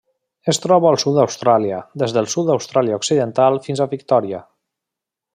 Es troba al sud d'Austràlia: des del sud d'Austràlia Occidental fins a Victòria.